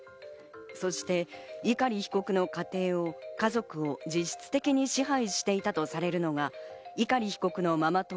そして碇被告の家庭を家族を実質的に支配していたとされるのが碇被告のママ友